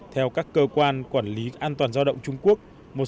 theo các cơ quan quản lý an toàn giao động trung quốc